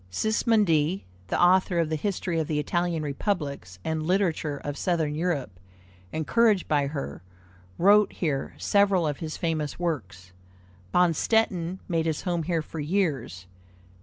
Sismondi, the author of the History of the Italian Republics, and Literature of Southern Europe, encouraged by her, wrote here several of his famous works. Bonstetten made his home here for years.